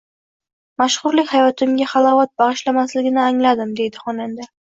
Mashhurlik hayotimga halovat bag‘ishlamasligini angladim, — deydi xonanda